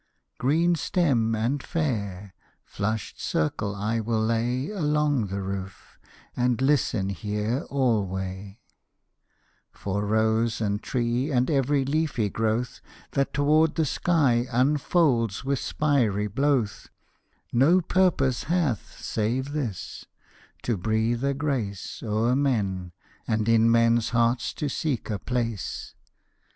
"Green stem and fair, flush'd circle I will lay Along the roof, and listen here alway; "For rose and tree, and every leafy growth That toward the sky unfolds with spiry blowth, "No purpose hath save this, to breathe a grace O'er men, and in men's hearts to seek a place.